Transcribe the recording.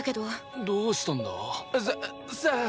どうしたんだ？ささあ？